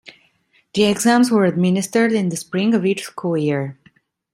The exams were administered in the Spring of each school year.